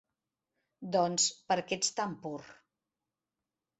Doncs, perquè ets tan pur.